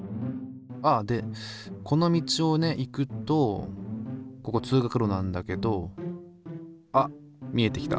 ああでこの道をね行くとここ通学路なんだけどあっ見えてきた。